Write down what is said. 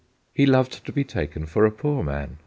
He loved to be taken for a poor man.